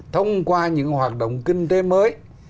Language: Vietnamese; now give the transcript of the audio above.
thông qua những hoạt động kinh tế mới